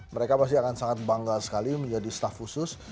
mereka pasti akan sangat bangga sekali menjadi staff khusus